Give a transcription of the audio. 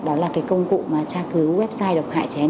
đó là công cụ tra cứu website độc hại trẻ em